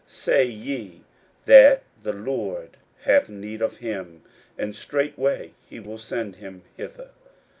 say ye that the Lord hath need of him; and straightway he will send him hither.